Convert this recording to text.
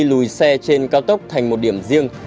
lùi xe trên cao tốc thành một điểm riêng